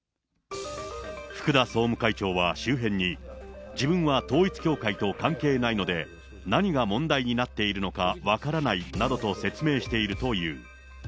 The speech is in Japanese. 福田総務会長は周辺に、自分が統一教会と関係ないので、何が問題になっているのか分からないなどと説明しているという。